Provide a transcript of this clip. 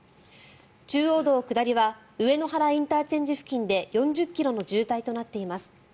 中央道下りは上野原ＩＣ付近で４０ｋｍの渋滞となっています。